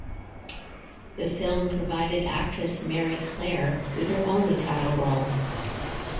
The film provided actress Mary Clare with her only title role.